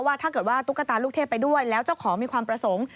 ถ้าเกิดว่าตุ๊กตาลูกเทพไปด้วยแล้วเจ้าของมีความประสงค์